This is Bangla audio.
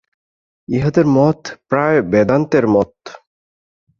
ইঁহাদের মত প্রায় বেদান্তের মত।